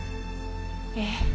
ええ。